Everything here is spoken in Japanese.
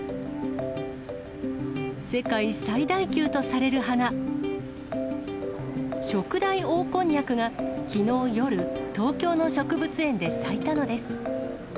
世界最大級とされる花、ショクダイオオコンニャクがきのう夜、東京の植物園で咲いたのです。